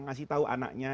ngasih tahu anaknya